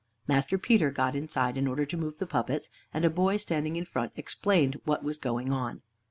Master Peter got inside in order to move the puppets, and a boy standing in front explained what was going on.